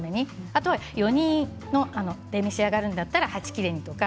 あと４人で召し上がるんだったら８切れとか。